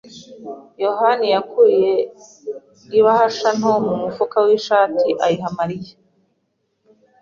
yohani yakuye ibahasha nto mu mufuka w'ishati ayiha Mariya.